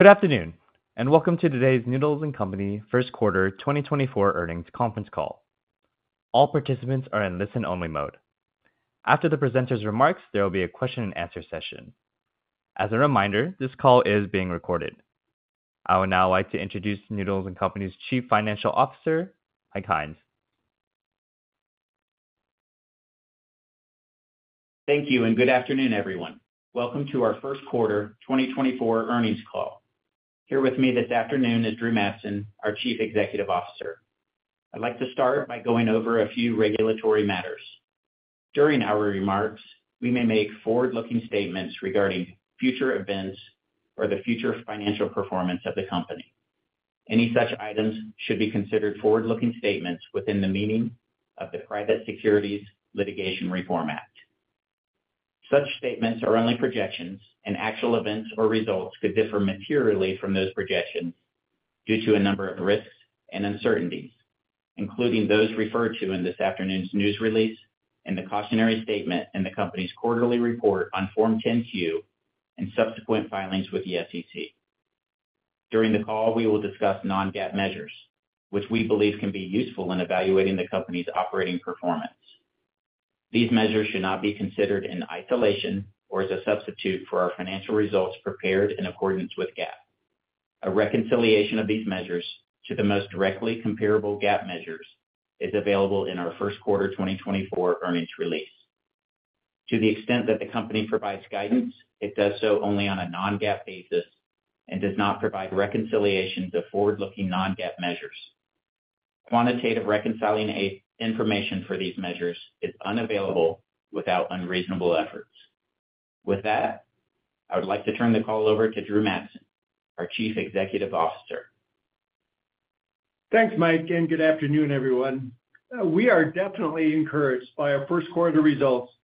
Good afternoon, and welcome to today's Noodles & Company first quarter 2024 Earnings Conference Call. All participants are in listen-only mode. After the presenter's remarks, there will be a question-and-answer session. As a reminder, this call is being recorded. I would now like to introduce Noodles & Company's Chief Financial Officer, Mike Hynes. Thank you, and good afternoon, everyone. Welcome to our first quarter 2024 earnings call. Here with me this afternoon is Drew Madsen, our Chief Executive Officer. I'd like to start by going over a few regulatory matters. During our remarks, we may make forward-looking statements regarding future events or the future financial performance of the company. Any such items should be considered forward-looking statements within the meaning of the Private Securities Litigation Reform Act. Such statements are only projections, and actual events or results could differ materially from those projections due to a number of risks and uncertainties, including those referred to in this afternoon's news release and the cautionary statement in the company's quarterly report on Form 10-Q and subsequent filings with the SEC. During the call, we will discuss non-GAAP measures, which we believe can be useful in evaluating the company's operating performance. These measures should not be considered in isolation or as a substitute for our financial results prepared in accordance with GAAP. A reconciliation of these measures to the most directly comparable GAAP measures is available in our first Quarter 2024 Earnings Release. To the extent that the company provides guidance, it does so only on a non-GAAP basis and does not provide reconciliations of forward-looking non-GAAP measures. Quantitative reconciling information for these measures is unavailable without unreasonable efforts. With that, I would like to turn the call over to Drew Madsen, our Chief Executive Officer. Thanks, Mike, and good afternoon, everyone. We are definitely encouraged by our first quarter results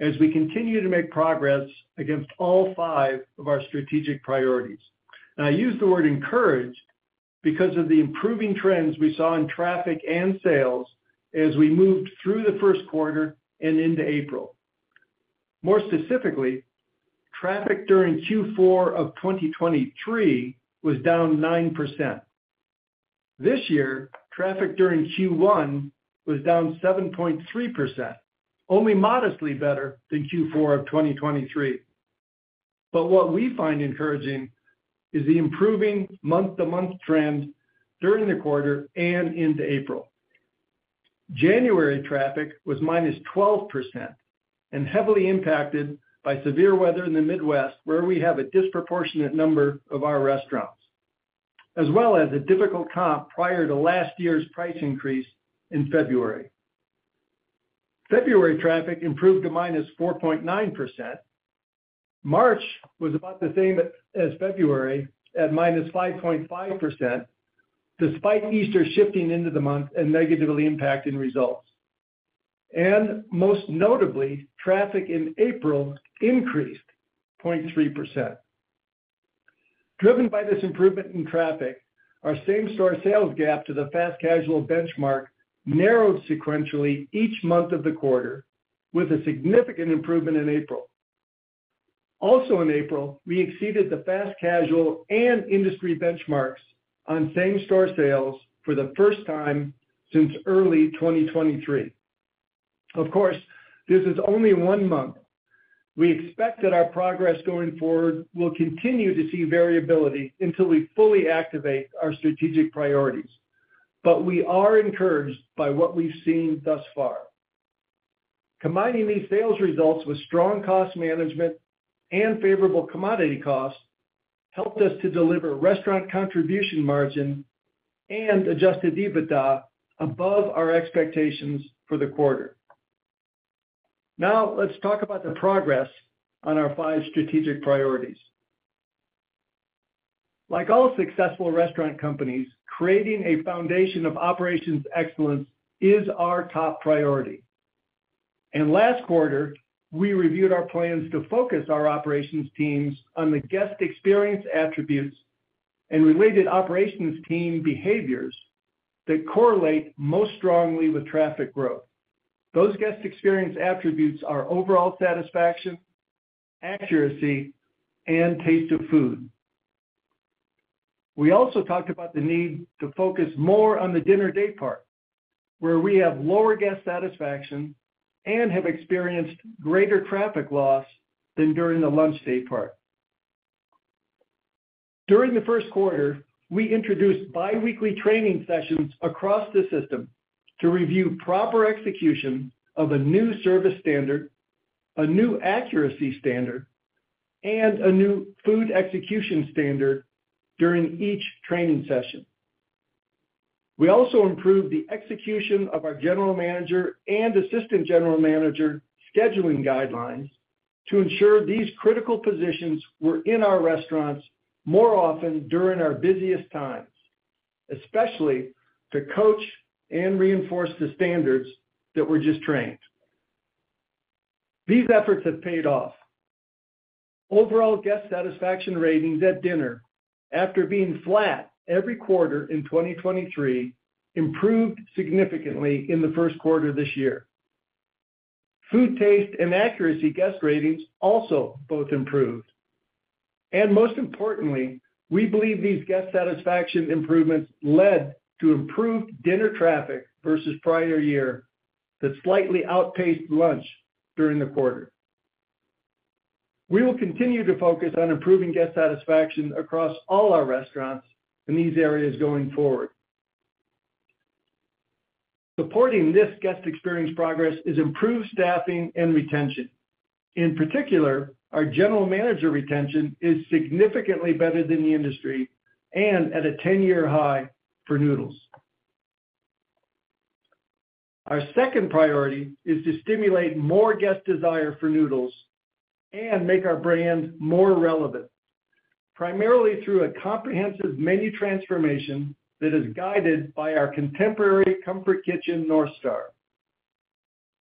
as we continue to make progress against all five of our strategic priorities. I use the word encouraged because of the improving trends we saw in traffic and sales as we moved through the first quarter and into April. More specifically, traffic during Q4 of 2023 was down 9%. This year, traffic during Q1 was down 7.3%, only modestly better than Q4 of 2023. What we find encouraging is the improving month-to-month trend during the quarter and into April. January traffic was -12% and heavily impacted by severe weather in the Midwest, where we have a disproportionate number of our restaurants, as well as a difficult comp prior to last year's price increase in February. February traffic improved to -4.9%.quarter March was about the same as February at -5.5%, despite Easter shifting into the month and negatively impacting results. Most notably, traffic in April increased 0.3%. Driven by this improvement in traffic, our same-store sales gap to the fast-casual benchmark narrowed sequentially each month of the quarter, with a significant improvement in April. Also, in April, we exceeded the fast-casual and industry benchmarks on same-store sales for the first time since early 2023. Of course, this is only one month. We expect that our progress going forward will continue to see variability until we fully activate our strategic priorities, but we are encouraged by what we've seen thus far. Combining these sales results with strong cost management and favorable commodity costs helped us to deliver restaurant contribution margin and Adjusted EBITDA above our expectations for the quarter. Now, let's talk about the progress on our five strategic priorities. Like all successful restaurant companies, creating a foundation of operations excellence is our top priority. In last quarter, we reviewed our plans to focus our operations teams on the guest experience attributes and related operations team behaviors that correlate most strongly with traffic growth. Those guest experience attributes are overall satisfaction, accuracy, and taste of food. We also talked about the need to focus more on the dinner daypart, where we have lower guest satisfaction and have experienced greater traffic loss than during the lunch daypart. During the first quarter, we introduced biweekly training sessions across the system to review proper execution of a new service standard, a new accuracy standard, and a new food execution standard during each training session. We also improved the execution of our general manager and assistant general manager scheduling guidelines to ensure these critical positions were in our restaurants more often during our busiest times, especially to coach and reinforce the standards that we're just trained. These efforts have paid off. Overall guest satisfaction ratings at dinner, after being flat every quarter in 2023, improved significantly in the 1st quarter this year. Food taste and accuracy guest ratings also both improved. And most importantly, we believe these guest satisfaction improvements led to improved dinner traffic versus prior year that slightly outpaced lunch during the quarter. We will continue to focus on improving guest satisfaction across all our restaurants in these areas going forward. Supporting this guest experience progress is improved staffing and retention. In particular, our general manager retention is significantly better than the industry and at a 10-year high for Noodles. Our second priority is to stimulate more guest desire for noodles and make our brand more relevant, primarily through a comprehensive menu transformation that is guided by our Contemporary Comfort Kitchen North Star.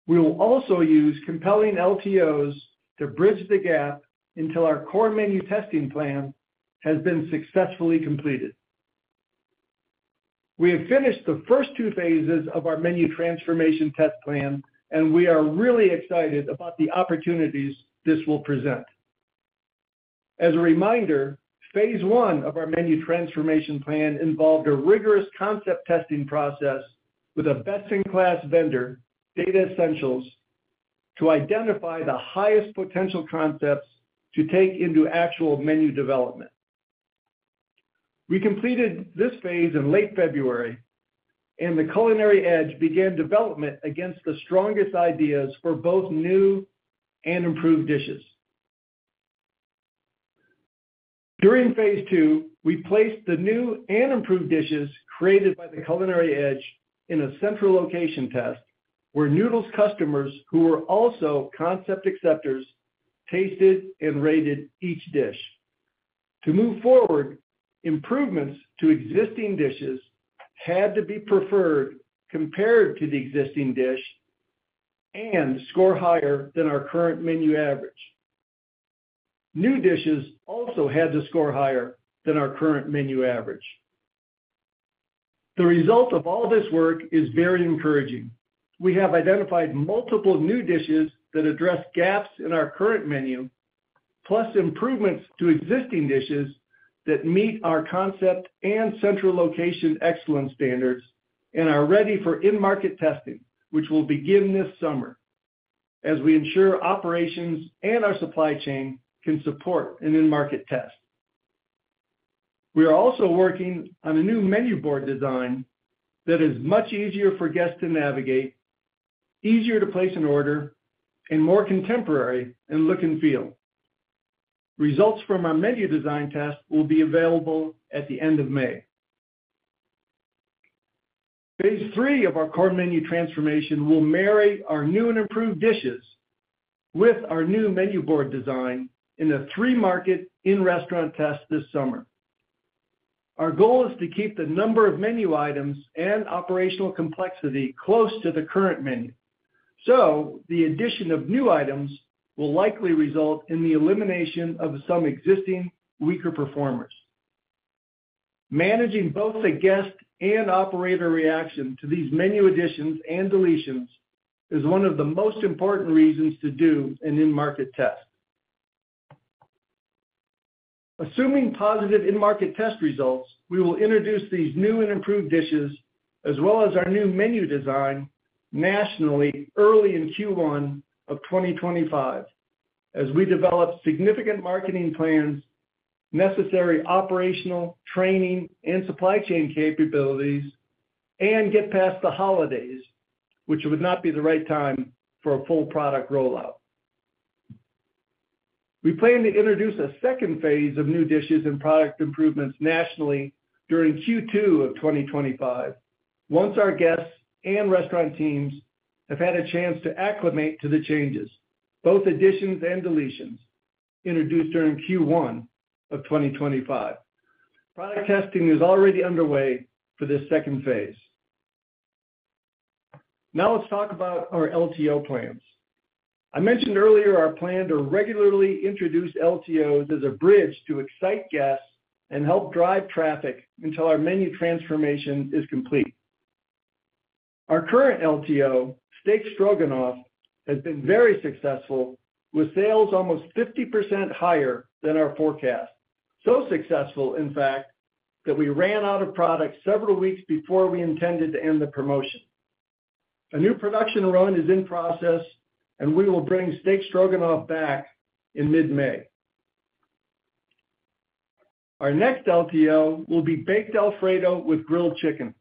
We will also use compelling LTOs to bridge the gap until our core menu testing plan has been successfully completed. We have finished the first two phases of our menu transformation test plan, and we are really excited about the opportunities this will present. As a reminder, phase one of our menu transformation plan involved a rigorous concept testing process with a best-in-class vendor, Datassential, to identify the highest potential concepts to take into actual menu development. We completed this phase in late February, and The Culinary Edge began development against the strongest ideas for both new and improved dishes. During phase two, we placed the new and improved dishes created by The Culinary Edge in a central location test where Noodles customers, who were also concept acceptors, tasted and rated each dish. To move forward, improvements to existing dishes had to be preferred compared to the existing dish and score higher than our current menu average. New dishes also had to score higher than our current menu average. The result of all this work is very encouraging. We have identified multiple new dishes that address gaps in our current menu, plus improvements to existing dishes that meet our concept and central location excellence standards and are ready for in-market testing, which will begin this summer as we ensure operations and our supply chain can support an in-market test. We are also working on a new menu board design that is much easier for guests to navigate, easier to place an order, and more contemporary in look and feel. Results from our menu design test will be available at the end of May. Phase three of our core menu transformation will marry our new and improved dishes with our new menu board design in a three-market in-restaurant test this summer. Our goal is to keep the number of menu items and operational complexity close to the current menu, so the addition of new items will likely result in the elimination of some existing weaker performers. Managing both the guest and operator reaction to these menu additions and deletions is one of the most important reasons to do an in-market test. Assuming positive in-market test results, we will introduce these new and improved dishes as well as our new menu design nationally early in Q1 of 2025 as we develop significant marketing plans, necessary operational training and supply chain capabilities, and get past the holidays, which would not be the right time for a full product rollout. We plan to introduce a second phase of new dishes and product improvements nationally during Q2 of 2025 once our guests and restaurant teams have had a chance to acclimate to the changes, both additions and deletions introduced during Q1 of 2025. Product testing is already underway for this second phase. Now let's talk about our LTO plans. I mentioned earlier our plan to regularly introduce LTOs as a bridge to excite guests and help drive traffic until our menu transformation is complete. Our current LTO, Steak Stroganoff, has been very successful with sales almost 50% higher than our forecast, so successful, in fact, that we ran out of product several weeks before we intended to end the promotion. A new production run is in process, and we will bring Steak Stroganoff back in mid-May. Our next LTO will be Baked Alfredo with Grilled Chicken.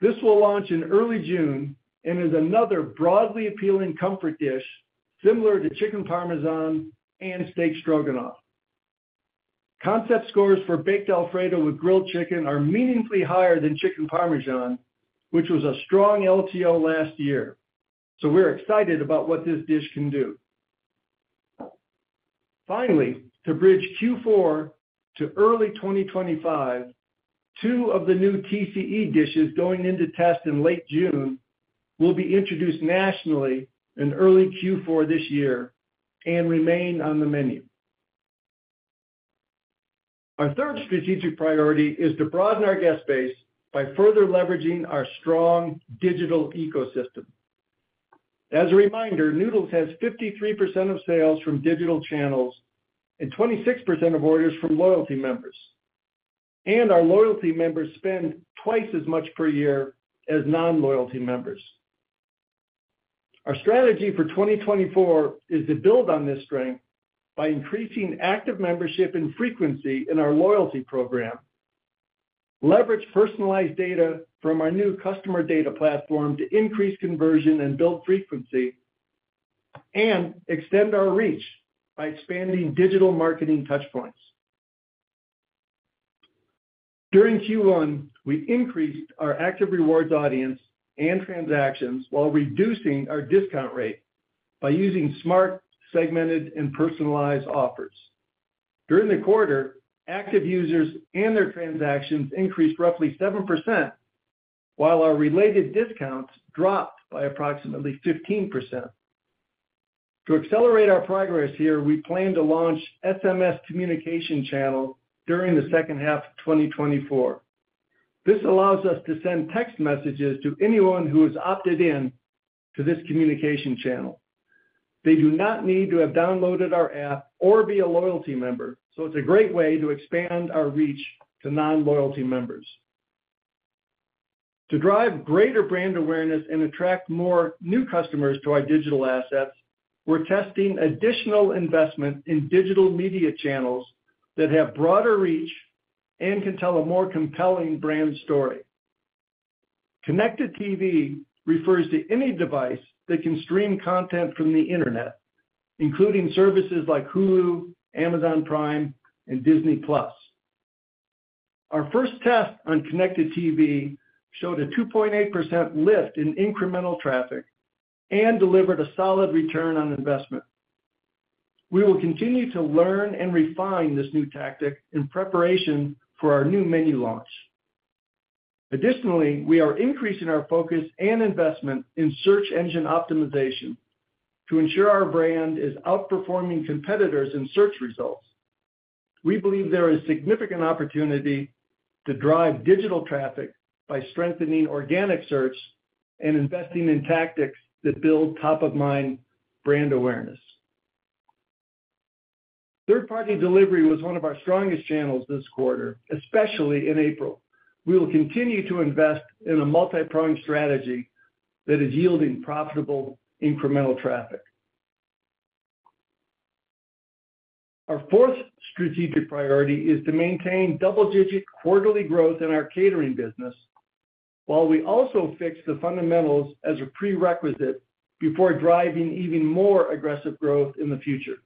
This will launch in early June and is another broadly appealing comfort dish similar to Chicken Parmesan and Steak Stroganoff. Concept scores for Baked Alfredo with Grilled Chicken are meaningfully higher than Chicken Parmesan, which was a strong LTO last year, so we're excited about what this dish can do. Finally, to bridge Q4 to early 2025, two of the new TCE dishes going into test in late June will be introduced nationally in early Q4 this year and remain on the menu. Our third strategic priority is to broaden our guest base by further leveraging our strong digital ecosystem. As a reminder, Noodles has 53% of sales from digital channels and 26% of orders from loyalty members, and our loyalty members spend twice as much per year as non-loyalty members. Our strategy for 2024 is to build on this strength by increasing active membership and frequency in our loyalty program, leverage personalized data from our new customer data platform to increase conversion and build frequency, and extend our reach by expanding digital marketing touchpoints. During Q1, we increased our active rewards audience and transactions while reducing our discount rate by using smart, segmented, and personalized offers. During the quarter, active users and their transactions increased roughly 7%, while our related discounts dropped by approximately 15%. To accelerate our progress here, we plan to launch SMS communication channels during the second half of 2024. This allows us to send text messages to anyone who has opted in to this communication channel. They do not need to have downloaded our app or be a loyalty member, so it's a great way to expand our reach to non-loyalty members. To drive greater brand awareness and attract more new customers to our digital assets, we're testing additional investment in digital media channels that have broader reach and can tell a more compelling brand story. Connected TV refers to any device that can stream content from the internet, including services like Hulu, Amazon Prime, and Disney+. Our first test on connected TV showed a 2.8% lift in incremental traffic and delivered a solid return on investment. We will continue to learn and refine this new tactic in preparation for our new menu launch. Additionally, we are increasing our focus and investment in search engine optimization to ensure our brand is outperforming competitors in search results. We believe there is significant opportunity to drive digital traffic by strengthening organic search and investing in tactics that build top-of-mind brand awareness. Third-party delivery was one of our strongest channels this quarter, especially in April. We will continue to invest in a multi-pronged strategy that is yielding profitable incremental traffic. Our fourth strategic priority is to maintain double-digit quarterly growth in our catering business while we also fix the fundamentals as a prerequisite before driving even more aggressive growth in the future.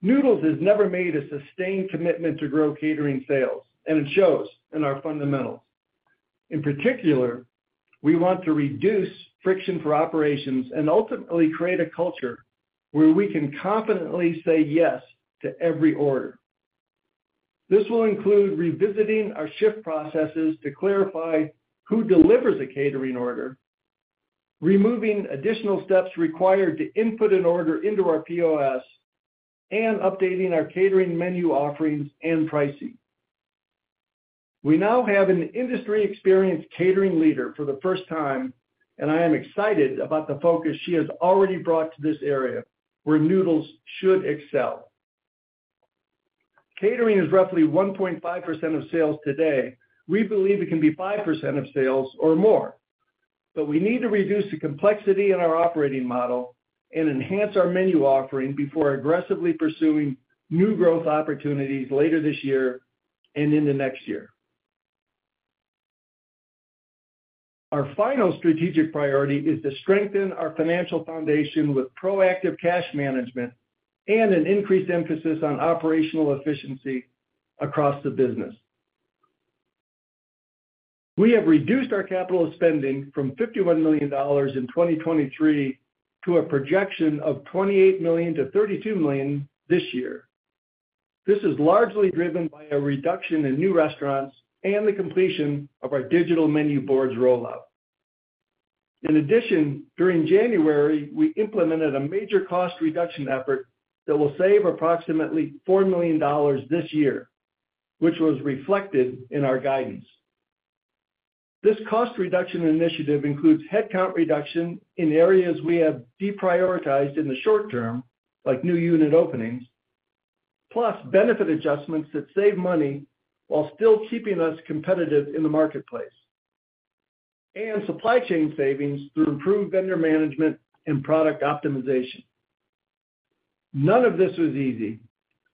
Noodles has never made a sustained commitment to grow catering sales, and it shows in our fundamentals. In particular, we want to reduce friction for operations and ultimately create a culture where we can confidently say yes to every order. This will include revisiting our shift processes to clarify who delivers a catering order, removing additional steps required to input an order into our POS, and updating our catering menu offerings and pricing. We now have an industry-experienced catering leader for the first time, and I am excited about the focus she has already brought to this area where Noodles should excel. Catering is roughly 1.5% of sales today. We believe it can be 5% of sales or more, but we need to reduce the complexity in our operating model and enhance our menu offering before aggressively pursuing new growth opportunities later this year and in the next year. Our final strategic priority is to strengthen our financial foundation with proactive cash management and an increased emphasis on operational efficiency across the business. We have reduced our capital spending from $51 million in 2023 to a projection of $28 million-$32 million this year. This is largely driven by a reduction in new restaurants and the completion of our digital menu boards rollout. In addition, during January, we implemented a major cost reduction effort that will save approximately $4 million this year, which was reflected in our guidance. This cost reduction initiative includes headcount reduction in areas we have deprioritized in the short term, like new unit openings, plus benefit adjustments that save money while still keeping us competitive in the marketplace, and supply chain savings through improved vendor management and product optimization. None of this was easy,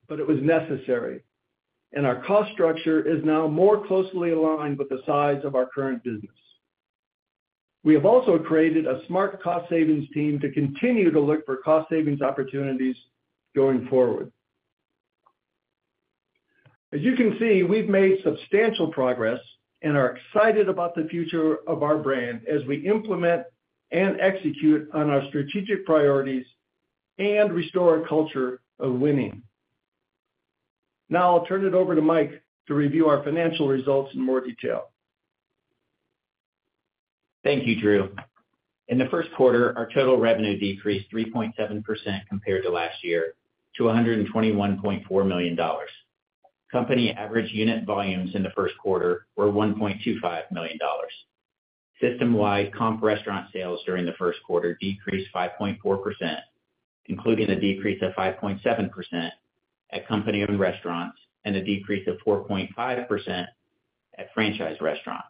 but it was necessary, and our cost structure is now more closely aligned with the size of our current business. We have also created a smart cost savings team to continue to look for cost savings opportunities going forward. As you can see, we've made substantial progress and are excited about the future of our brand as we implement and execute on our strategic priorities and restore a culture of winning. Now I'll turn it over to Mike to review our financial results in more detail. Thank you, Drew. In the first quarter, our total revenue decreased 3.7% compared to last year to $121.4 million. Company average unit volumes in the first quarter were $1.25 million. System-wide comp restaurant sales during the first quarter decreased 5.4%, including a decrease of 5.7% at company-owned restaurants and a decrease of 4.5% at franchise restaurants.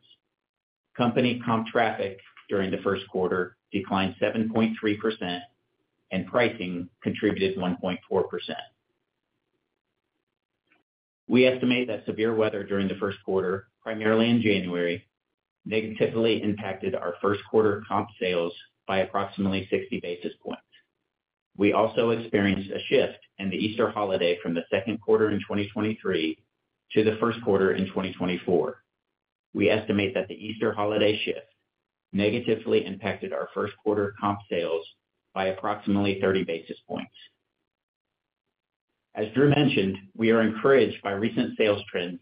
Company comp traffic during the first quarter declined 7.3%, and pricing contributed 1.4%. We estimate that severe weather during the first quarter, primarily in January, negatively impacted our first quarter comp sales by approximately 60 basis points. We also experienced a shift in the Easter holiday from the second quarter in 2023 to the first quarter in 2024. We estimate that the Easter holiday shift negatively impacted our first quarter comp sales by approximately 30 basis points. As Drew mentioned, we are encouraged by recent sales trends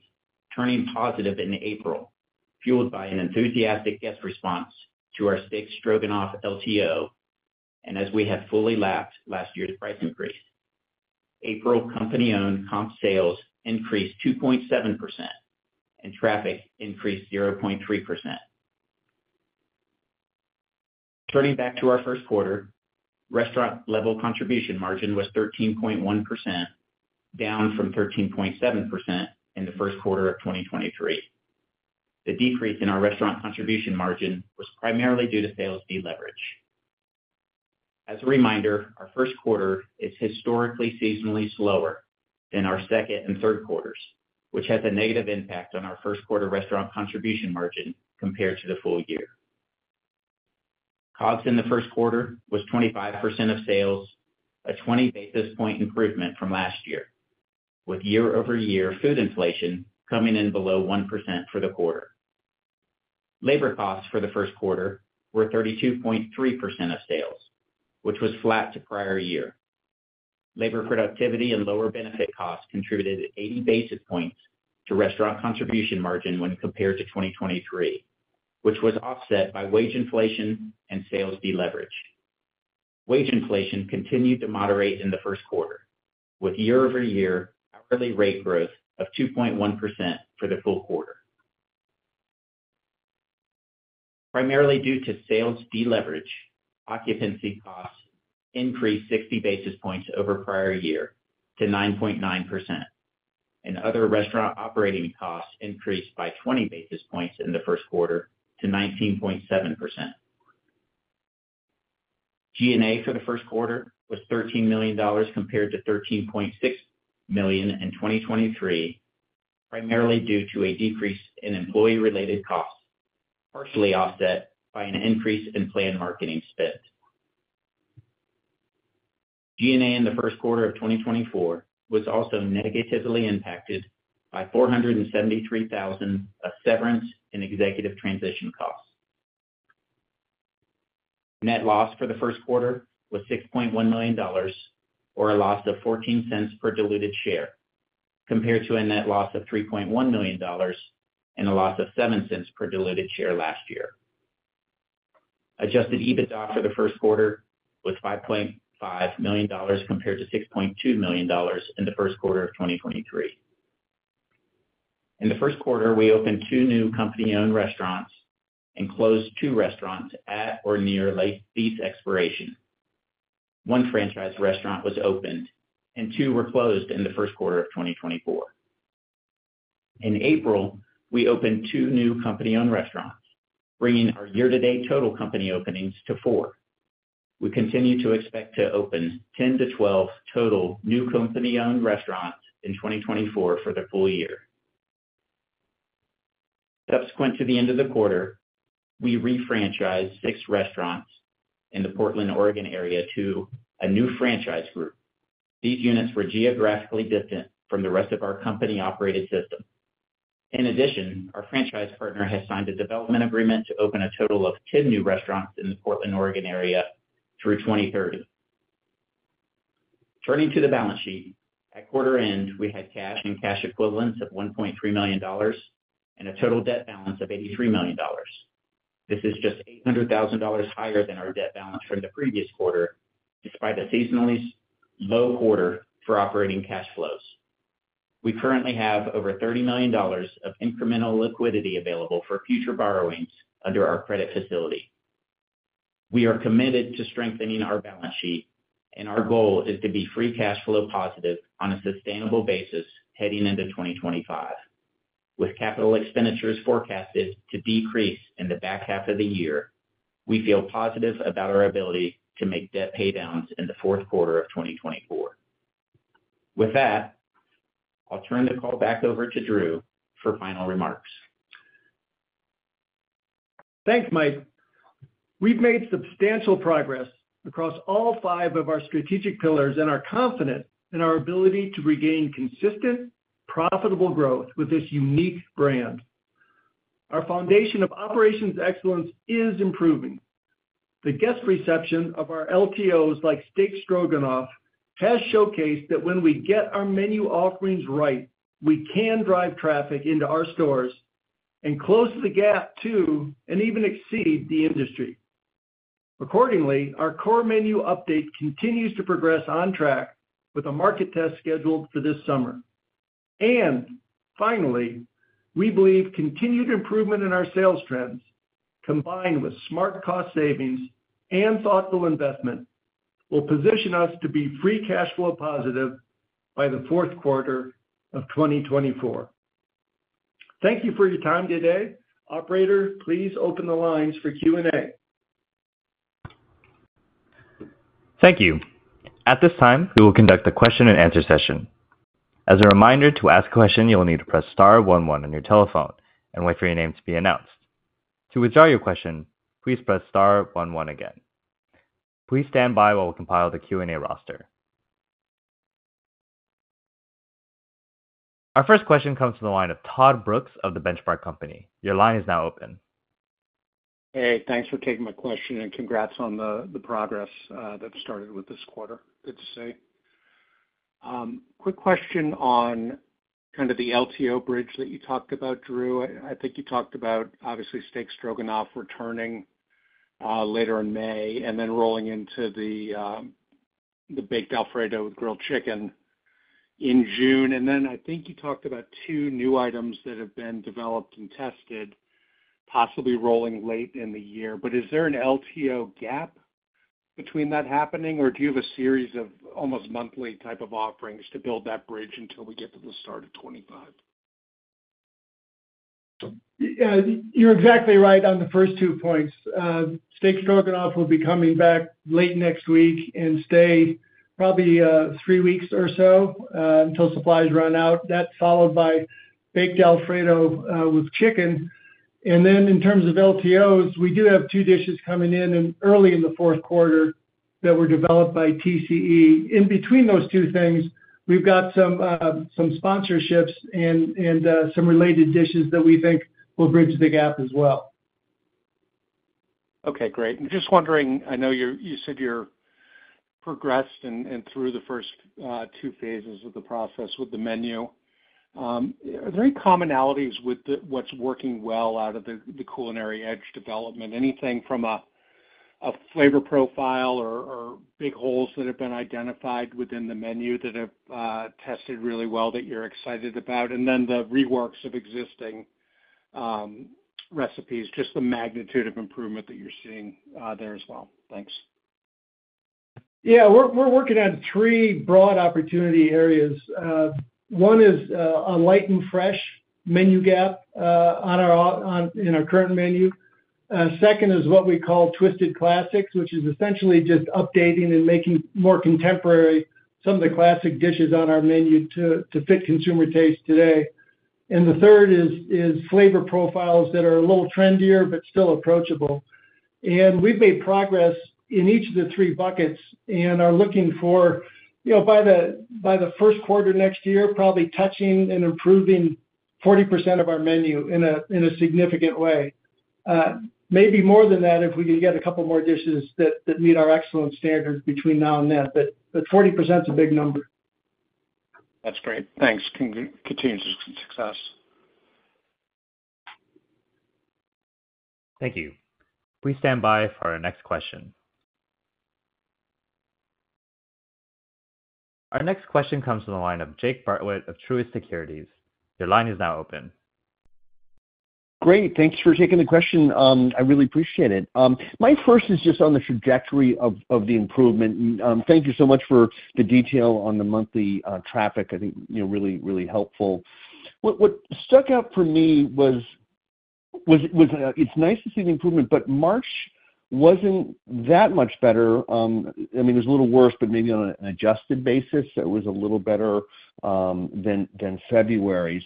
turning positive in April, fueled by an enthusiastic guest response to our Steak Stroganoff LTO and as we have fully lapped last year's price increase. April company-owned comp sales increased 2.7%, and traffic increased 0.3%. Turning back to our first quarter, restaurant-level contribution margin was 13.1%, down from 13.7% in the first quarter of 2023. The decrease in our restaurant contribution margin was primarily due to sales deleverage. As a reminder, our first quarter is historically seasonally slower than our second and third quarters, which has a negative impact on our first quarter restaurant contribution margin compared to the full year. Costs in the first quarter were 25% of sales, a 20 basis point improvement from last year, with year-over-year food inflation coming in below 1% for the quarter. Labor costs for the first quarter were 32.3% of sales, which was flat to prior year. Labor productivity and lower benefit costs contributed 80 basis points to restaurant contribution margin when compared to 2023, which was offset by wage inflation and sales deleverage. Wage inflation continued to moderate in the first quarter, with year-over-year hourly rate growth of 2.1% for the full quarter. Primarily due to sales deleverage, occupancy costs increased 60 basis points over prior year to 9.9%, and other restaurant operating costs increased by 20 basis points in the first quarter to 19.7%. G&A for the first quarter was $13 million compared to $13.6 million in 2023, primarily due to a decrease in employee-related costs, partially offset by an increase in planned marketing spend. G&A in the first quarter of 2024 was also negatively impacted by $473,000 of severance and executive transition costs. Net loss for the first quarter was $6.1 million, or a loss of $0.14 per diluted share, compared to a net loss of $3.1 million and a loss of $0.07 per diluted share last year. Adjusted EBITDA for the first quarter was $5.5 million compared to $6.2 million in the first quarter of 2023. In the first quarter, we opened two new company-owned restaurants and closed two restaurants at or near lease expiration. One franchise restaurant was opened, and two were closed in the first quarter of 2024. In April, we opened two new company-owned restaurants, bringing our year-to-date total company openings to four. We continue to expect to open 10-12 total new company-owned restaurants in 2024 for the full year. Subsequent to the end of the quarter, we refranchised six restaurants in the Portland, Oregon area to a new franchise group. These units were geographically distant from the rest of our company-operated system. In addition, our franchise partner has signed a development agreement to open a total of 10 new restaurants in the Portland, Oregon area through 2030. Turning to the balance sheet, at quarter end, we had cash and cash equivalents of $1.3 million and a total debt balance of $83 million. This is just $800,000 higher than our debt balance from the previous quarter, despite a seasonally low quarter for operating cash flows. We currently have over $30 million of incremental liquidity available for future borrowings under our credit facility. We are committed to strengthening our balance sheet, and our goal is to be free cash flow positive on a sustainable basis heading into 2025. With capital expenditures forecasted to decrease in the back half of the year, we feel positive about our ability to make debt paydowns in the fourth quarter of 2024. With that, I'll turn the call back over to Drew for final remarks. Thanks, Mike. We've made substantial progress across all five of our strategic pillars and are confident in our ability to regain consistent, profitable growth with this unique brand. Our foundation of operations excellence is improving. The guest reception of our LTOs like Steak Stroganoff has showcased that when we get our menu offerings right, we can drive traffic into our stores and close the gap to and even exceed the industry. Accordingly, our core menu update continues to progress on track with a market test scheduled for this summer. And finally, we believe continued improvement in our sales trends, combined with smart cost savings and thoughtful investment, will position us to be free cash flow positive by the fourth quarter of 2024. Thank you for your time today. Operator, please open the lines for Q&A. Thank you. At this time, we will conduct a question-and-answer session. As a reminder, to ask a question, you'll need to press star 11 on your telephone and wait for your name to be announced. To withdraw your question, please press star 11 again. Please stand by while we compile the Q&A roster. Our first question comes from the line of Todd Brooks of The Benchmark Company. Your line is now open. Hey, thanks for taking my question, and congrats on the progress that started with this quarter, good to see. Quick question on kind of the LTO bridge that you talked about, Drew. I think you talked about, obviously, Steak Stroganoff returning later in May and then rolling into the baked Alfredo with grilled chicken in June. And then I think you talked about 2 new items that have been developed and tested, possibly rolling late in the year. But is there an LTO gap between that happening, or do you have a series of almost monthly type of offerings to build that bridge until we get to the start of 2025? Yeah, you're exactly right on the first two points. Steak Stroganoff will be coming back late next week and stay probably three weeks or so until supplies run out. That's followed by baked Alfredo with chicken. And then in terms of LTOs, we do have two dishes coming in early in the fourth quarter that were developed by TCE. In between those two things, we've got some sponsorships and some related dishes that we think will bridge the gap as well. Okay, great. I'm just wondering, I know you said you've progressed through the first two phases of the process with the menu. Are there any commonalities with what's working well out of the Culinary Edge development? Anything from a flavor profile or big holes that have been identified within the menu that have tested really well that you're excited about, and then the reworks of existing recipes, just the magnitude of improvement that you're seeing there as well. Thanks. Yeah, we're working on three broad opportunity areas. One is a light and fresh menu gap in our current menu. Second is what we call twisted classics, which is essentially just updating and making more contemporary some of the classic dishes on our menu to fit consumer tastes today. And the third is flavor profiles that are a little trendier but still approachable. And we've made progress in each of the three buckets and are looking for, by the first quarter next year, probably touching and improving 40% of our menu in a significant way. Maybe more than that if we can get a couple more dishes that meet our excellence standards between now and then, but 40% is a big number. That's great. Thanks. Continued success. Thank you. Please stand by for our next question. Our next question comes from the line of Jake Bartlett of Truist Securities. Your line is now open. Great. Thanks for taking the question. I really appreciate it. My first is just on the trajectory of the improvement. Thank you so much for the detail on the monthly traffic. I think really, really helpful. What stuck out for me was it’s nice to see the improvement, but March wasn’t that much better. I mean, it was a little worse, but maybe on an adjusted basis, it was a little better than February.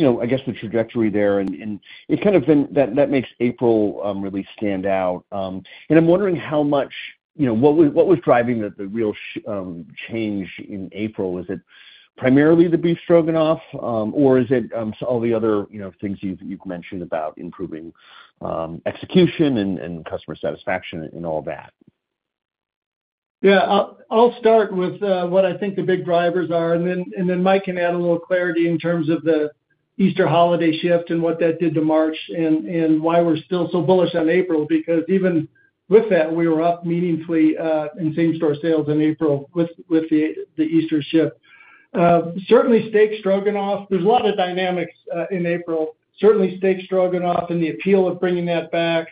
So I guess the trajectory there. And it’s kind of been that makes April really stand out. And I’m wondering how much what was driving the real change in April? Is it primarily the Steak Stroganoff, or is it all the other things you’ve mentioned about improving execution and customer satisfaction and all that? Yeah, I'll start with what I think the big drivers are, and then Mike can add a little clarity in terms of the Easter holiday shift and what that did to March and why we're still so bullish on April, because even with that, we were up meaningfully in same-store sales in April with the Easter shift. Certainly, Steak Stroganoff. There's a lot of dynamics in April. Certainly, Steak Stroganoff and the appeal of bringing that back,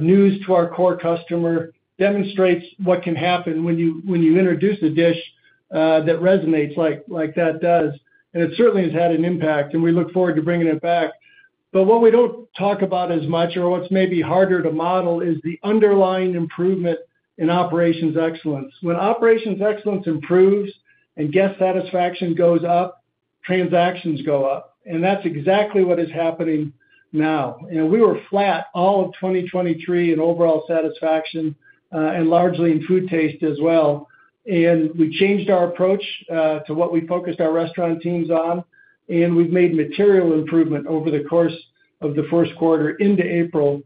new to our core customer, demonstrates what can happen when you introduce a dish that resonates like that does. And it certainly has had an impact, and we look forward to bringing it back. But what we don't talk about as much or what's maybe harder to model is the underlying improvement in operational excellence. When operational excellence improves and guest satisfaction goes up, transactions go up. That's exactly what is happening now. We were flat all of 2023 in overall satisfaction and largely in food taste as well. We changed our approach to what we focused our restaurant teams on, and we've made material improvement over the course of the first quarter into April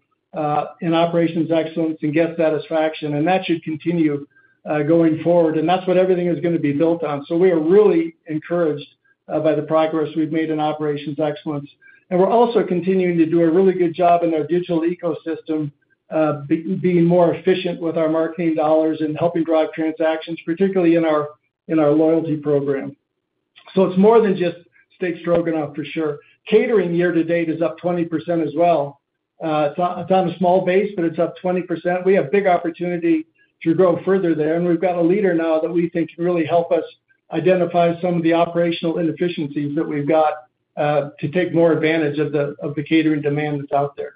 in operations excellence and guest satisfaction. That should continue going forward. That's what everything is going to be built on. We're really encouraged by the progress we've made in operations excellence. We're also continuing to do a really good job in our digital ecosystem, being more efficient with our marketing dollars and helping drive transactions, particularly in our loyalty program. It's more than just Steak Stroganoff, for sure. Catering year-to-date is up 20% as well. It's on a small base, but it's up 20%. We have big opportunity to grow further there, and we've got a leader now that we think can really help us identify some of the operational inefficiencies that we've got to take more advantage of the catering demand that's out there.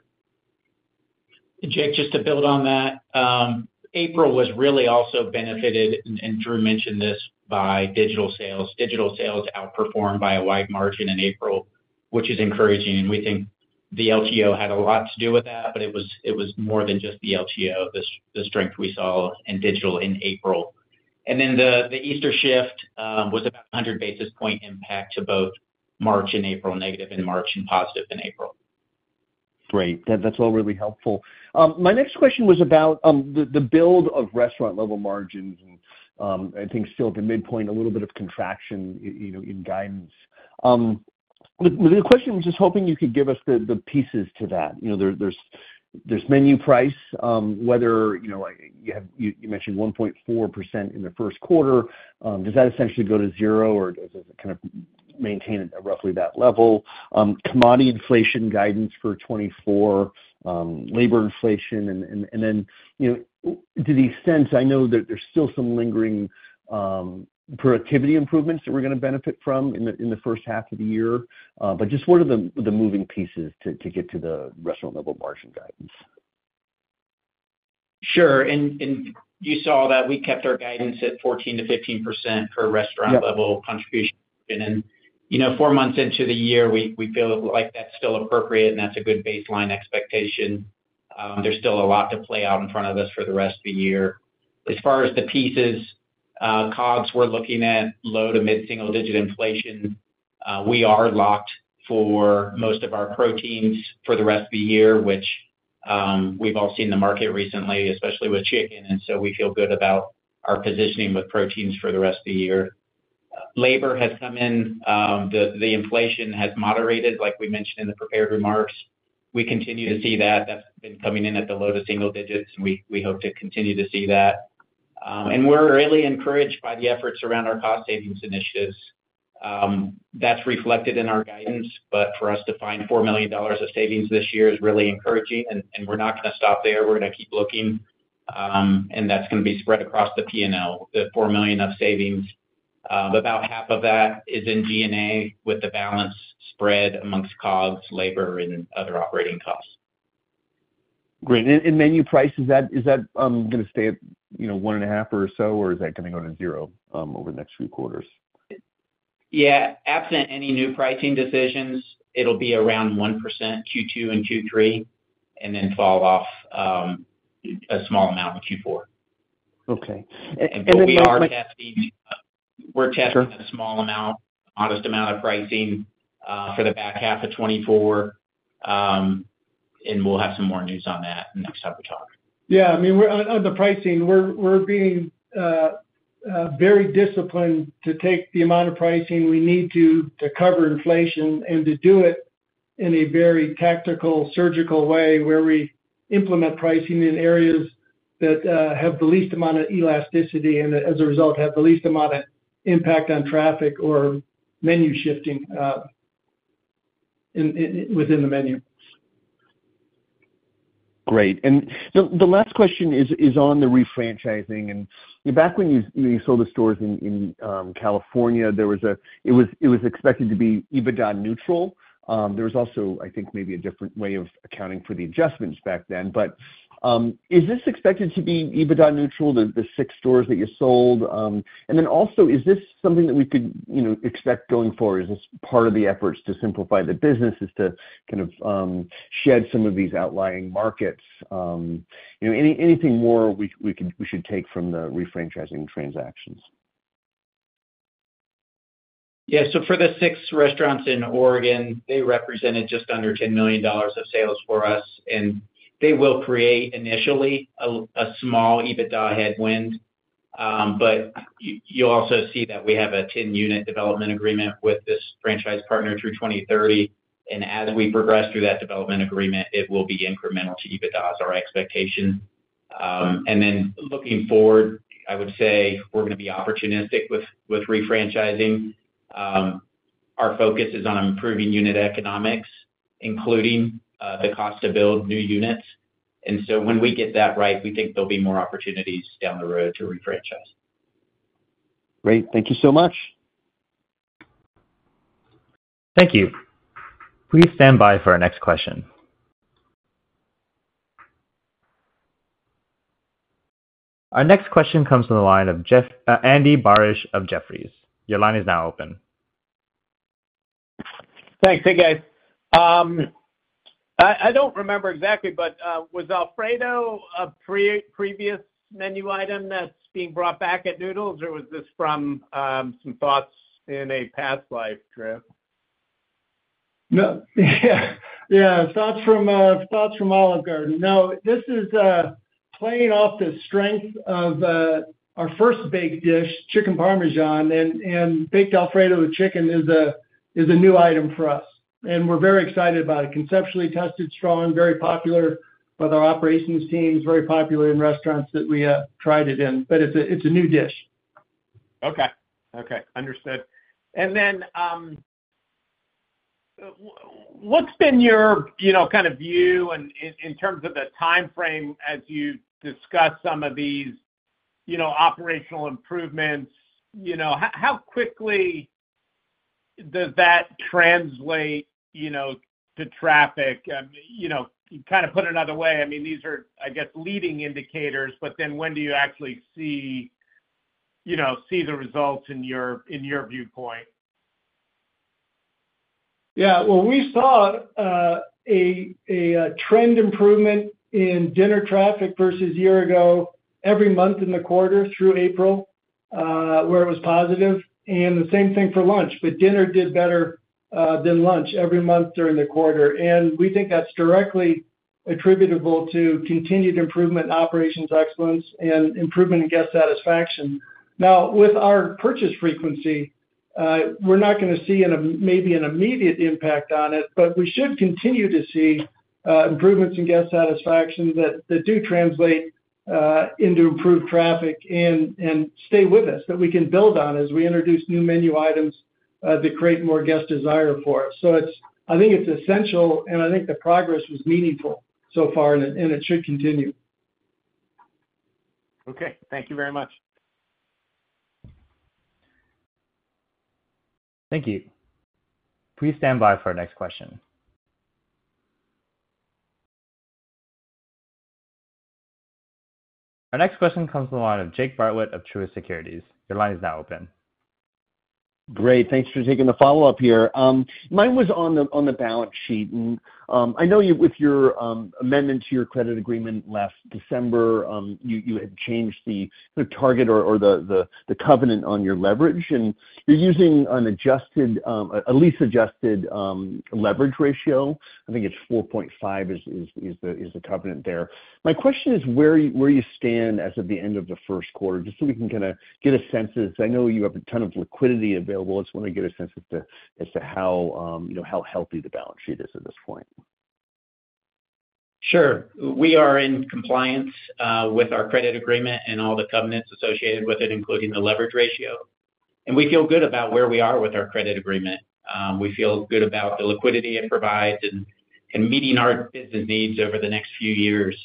And Jake, just to build on that, April was really also benefited, and Drew mentioned this, by digital sales. Digital sales outperformed by a wide margin in April, which is encouraging. We think the LTO had a lot to do with that, but it was more than just the LTO, the strength we saw in digital in April. Then the Easter shift was about 100 basis point impact to both March and April, negative in March and positive in April. Great. That's all really helpful. My next question was about the build of restaurant-level margins, and I think still at the midpoint, a little bit of contraction in guidance. The question, I'm just hoping you could give us the pieces to that. There's menu price, whether you mentioned 1.4% in the first quarter. Does that essentially go to zero, or does it kind of maintain at roughly that level? Commodity inflation guidance for 2024, labor inflation, and then to the extent I know that there's still some lingering productivity improvements that we're going to benefit from in the first half of the year, but just what are the moving pieces to get to the restaurant-level margin guidance? Sure. You saw that we kept our guidance at 14%-15% per restaurant-level contribution. Four months into the year, we feel like that's still appropriate, and that's a good baseline expectation. There's still a lot to play out in front of us for the rest of the year. As far as the pieces, COGS we're looking at, low- to mid-single-digit inflation, we are locked for most of our proteins for the rest of the year, which we've all seen the market recently, especially with chicken. And so we feel good about our positioning with proteins for the rest of the year. Labor has come in. The inflation has moderated, like we mentioned in the prepared remarks. We continue to see that. That's been coming in at the low- to single digits, and we hope to continue to see that. We're really encouraged by the efforts around our cost savings initiatives. That's reflected in our guidance, but for us to find $4 million of savings this year is really encouraging. We're not going to stop there. We're going to keep looking, and that's going to be spread across the P&L, the $4 million of savings. About $2 million of that is in G&A with the balance spread among COGS, labor, and other operating costs. Great. Menu price, is that going to stay at 1.5 or so, or is that going to go to 0 over the next few quarters? Yeah, absent any new pricing decisions, it'll be around 1% Q2 and Q3 and then fall off a small amount in Q4. Okay. And then you're. We are testing a small amount, modest amount of pricing for the back half of 2024, and we'll have some more news on that next time we talk. Yeah, I mean, on the pricing, we're being very disciplined to take the amount of pricing we need to cover inflation and to do it in a very tactical, surgical way where we implement pricing in areas that have the least amount of elasticity and, as a result, have the least amount of impact on traffic or menu shifting within the menu. Great. And the last question is on the refranchising. And back when you sold the stores in California, it was expected to be EBITDA neutral. There was also, I think, maybe a different way of accounting for the adjustments back then. But is this expected to be EBITDA neutral, the 6 stores that you sold? And then also, is this something that we could expect going forward? Is this part of the efforts to simplify the business, is to kind of shed some of these outlying markets? Anything more we should take from the refranchising transactions? Yeah, so for the six restaurants in Oregon, they represented just under $10 million of sales for us. They will create, initially, a small EBITDA headwind. You'll also see that we have a 10-unit development agreement with this franchise partner through 2030. As we progress through that development agreement, it will be incremental to EBITDA as our expectation. Then looking forward, I would say we're going to be opportunistic with refranchising. Our focus is on improving unit economics, including the cost to build new units. When we get that right, we think there'll be more opportunities down the road to refranchise. Great. Thank you so much. Thank you. Please stand by for our next question. Our next question comes from the line of Andy Barish of Jefferies. Your line is now open. Thanks. Hey, guys. I don't remember exactly, but was Alfredo a previous menu item that's being brought back at Noodles, or was this from some thoughts in a past life, Drew? Yeah, thoughts from Olive Garden. No, this is playing off the strength of our first big dish, Chicken Parmesan, and Baked Alfredo with Chicken is a new item for us. And we're very excited about it. Conceptually tested, strong, very popular with our operations teams, very popular in restaurants that we tried it in. But it's a new dish. Okay. Okay. Understood. And then what's been your kind of view in terms of the timeframe as you discuss some of these operational improvements? How quickly does that translate to traffic? You kind of put it another way. I mean, these are, I guess, leading indicators, but then when do you actually see the results in your viewpoint? Yeah, well, we saw a trend improvement in dinner traffic versus a year ago every month in the quarter through April where it was positive. And the same thing for lunch. But dinner did better than lunch every month during the quarter. And we think that's directly attributable to continued improvement in operations excellence and improvement in guest satisfaction. Now, with our purchase frequency, we're not going to see maybe an immediate impact on it, but we should continue to see improvements in guest satisfaction that do translate into improved traffic and stay with us, that we can build on as we introduce new menu items that create more guest desire for us. So I think it's essential, and I think the progress was meaningful so far, and it should continue. Okay. Thank you very much. Thank you. Please stand by for our next question. Our next question comes from the line of Jake Bartlett of Truist Securities. Your line is now open. Great. Thanks for taking the follow-up here. Mine was on the balance sheet. I know with your amendment to your credit agreement last December, you had changed the target or the covenant on your leverage. You're using a net adjusted leverage ratio. I think it's 4.5 is the covenant there. My question is where you stand as of the end of the first quarter, just so we can kind of get a sense of. I know you have a ton of liquidity available. I just want to get a sense as to how healthy the balance sheet is at this point. Sure. We are in compliance with our credit agreement and all the covenants associated with it, including the leverage ratio. We feel good about where we are with our credit agreement. We feel good about the liquidity it provides and meeting our business needs over the next few years.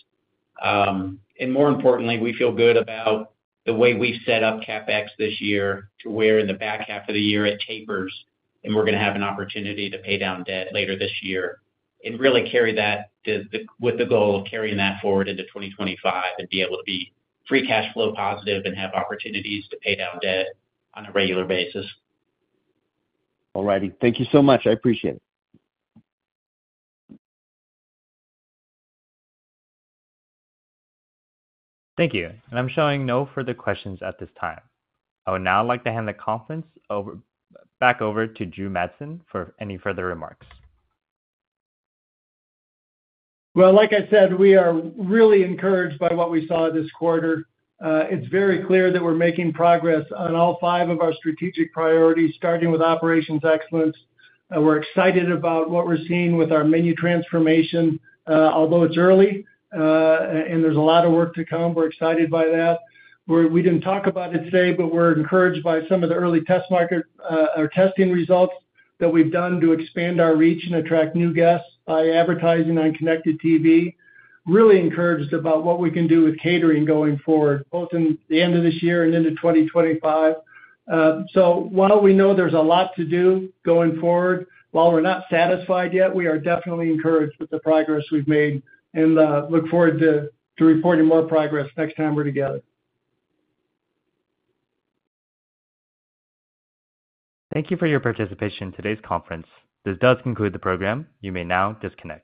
More importantly, we feel good about the way we've set up CapEx this year to where in the back half of the year, it tapers, and we're going to have an opportunity to pay down debt later this year and really carry that with the goal of carrying that forward into 2025 and be able to be free cash flow positive and have opportunities to pay down debt on a regular basis. All righty. Thank you so much. I appreciate it. Thank you. I'm showing no for the questions at this time. I would now like to hand the conference back over to Drew Madsen for any further remarks. Well, like I said, we are really encouraged by what we saw this quarter. It's very clear that we're making progress on all five of our strategic priorities, starting with operations excellence. We're excited about what we're seeing with our menu transformation, although it's early, and there's a lot of work to come. We're excited by that. We didn't talk about it today, but we're encouraged by some of the early test market or testing results that we've done to expand our reach and attract new guests by advertising on Connected TV. Really encouraged about what we can do with catering going forward, both at the end of this year and into 2025. So while we know there's a lot to do going forward, while we're not satisfied yet, we are definitely encouraged with the progress we've made and look forward to reporting more progress next time we're together. Thank you for your participation in today's conference. This does conclude the program. You may now disconnect.